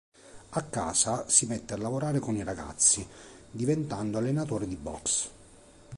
A casa, si mette a lavorare con i ragazzi, diventando allenatore di boxe.